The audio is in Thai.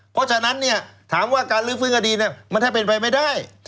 เพราะฉะนั้นถามว่าการลื้อฟื้นคดีมันให้เป็นไปไม่ได้